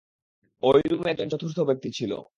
ওই রুমে একজন চতুর্থ ব্যক্তি ছিল।